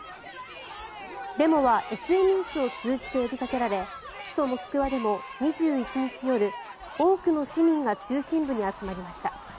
デモはＳＮＳを通じて呼びかけられ首都モスクワでも２１日夜多くの市民が中心部に集まりました。